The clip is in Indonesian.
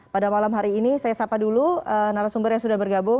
pada malam hari ini saya sapa dulu narasumber yang sudah bergabung